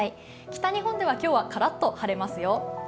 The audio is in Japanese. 北日本では今日はカラッと晴れますよ。